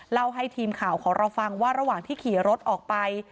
เล่าให้ทีมข่าวของเราฟังว่าระหว่างที่ขี่รถออกไป